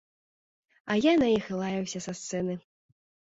А я на іх лаяўся са сцэны.